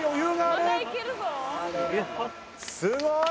すごい。